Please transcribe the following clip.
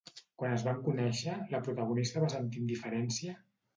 Quan es van conèixer, la protagonista va sentir indiferència?